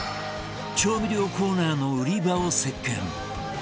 調味料コーナーの売り場を席巻